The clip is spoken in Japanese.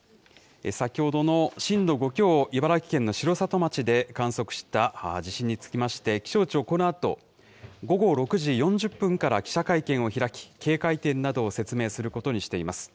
先ほどの震度５強を茨城県の城里町で観測した地震につきまして、気象庁、このあと午後６時４０分から記者会見を開き、警戒点などを説明することにしています。